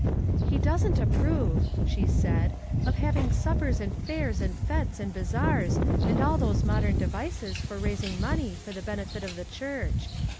"He doesn't approve," sbe said, "of having suppers and fairs and fetes and bazaars and all those modern devices for raising money for the benefit of the church.